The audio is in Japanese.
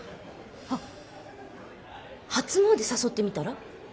あっ初詣誘ってみたら？